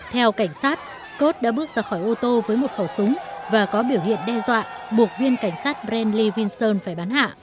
theo cảnh sát scott đã bước ra khỏi ô tô với một khẩu súng và có biểu hiện đe dọa buộc viên cảnh sát brand lee vinson phải bắn hạ